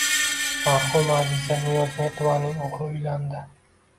Marhuma Aziza Niyozmetovaning o‘g‘li uylandi